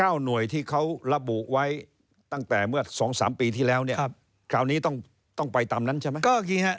หน่วยที่เขาระบุไว้ตั้งแต่เมื่อสองสามปีที่แล้วเนี่ยคราวนี้ต้องต้องไปตามนั้นใช่ไหม